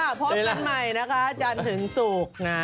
ลาละค่ะพบกันใหม่นะคะจันถึงสุก